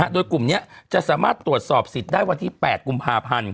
โดยกลุ่มนี้จะสามารถตรวจสอบสิทธิ์ได้วันที่๘กุมภาพันธ์